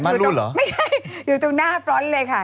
ไม่ใช่อยู่ตรงหน้าฟรอนตเลยค่ะ